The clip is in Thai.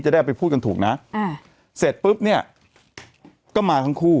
ได้เอาไปพูดกันถูกนะอ่าเสร็จปุ๊บเนี่ยก็มาทั้งคู่